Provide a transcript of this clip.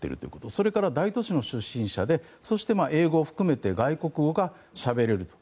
それから大都市の出身者でそして英語を含めて外国語が喋れると。